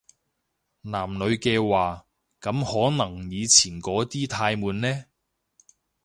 男女嘅話，噉可能以前嗰啲太悶呢